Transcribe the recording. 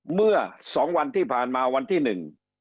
เมื่อสองวันที่ผ่านมาวันที่หนึ่ง